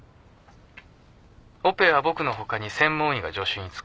オペは僕のほかに専門医が助手につく。